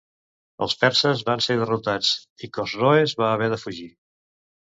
Els perses van ser derrotats i Cosroes va haver de fugir.